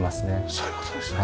そういう事ですね。